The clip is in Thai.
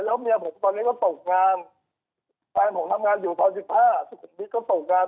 แล้วเมียผมตอนนี้ก็ตกงานพี่ผมทำงานอยู่ตอนสิบห้าสกุลนี้ก็ตกงาน